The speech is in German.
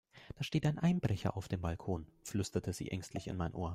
Da steht ein Einbrecher auf dem Balkon, flüsterte sie ängstlich in mein Ohr.